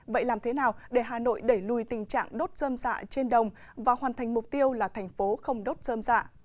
vậy làm thế nào để hà nội đẩy lùi tình trạng đốt dơm dạ trên đồng và hoàn thành mục tiêu là thành phố không đốt dơm dạ